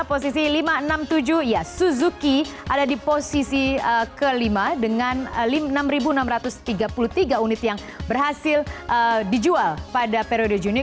posisi lima ratus enam puluh tujuh ya suzuki ada di posisi kelima dengan enam enam ratus tiga puluh tiga unit yang berhasil dijual pada periode juni